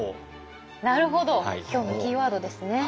なるほど今日のキーワードですね。